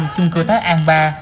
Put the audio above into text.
trung cư thái an ba